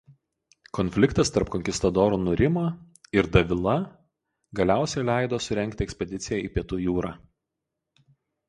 Konfliktas tarp konkistadorų nurimo ir Davila galiausiai leido surengti ekspediciją į Pietų jūrą.